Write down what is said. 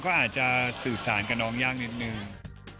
ก็อาจจะสื่อสารกับน้องยากนิดนึง